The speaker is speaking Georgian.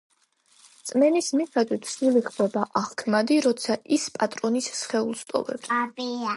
რწმენის მიხედვით, სული ხდება აღქმადი, როცა ის პატრონის სხეულს ტოვებს.